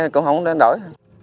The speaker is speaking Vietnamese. cũng không nên đổi